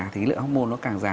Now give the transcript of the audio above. thì lượng hormone nó càng giảm